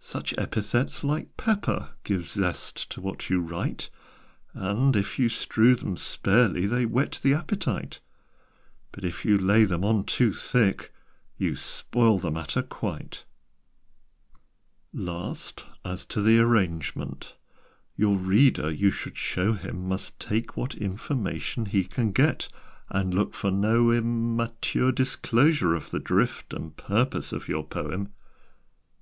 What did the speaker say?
"Such epithets, like pepper, Give zest to what you write; And, if you strew them sparely, They whet the appetite: But if you lay them on too thick, You spoil the matter quite! [Illustration: "THE WILD MAN WENT HIS WEARY WAY"] "Last, as to the arrangement: Your reader, you should show him, Must take what information he Can get, and look for no im mature disclosure of the drift And purpose of your poem.